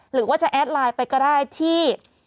หรือว่าจะแอดไลน์ไปก็ได้ที่